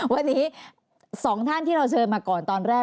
วันนี้๒ท่านที่เราเชิญมาก่อนตอนแรก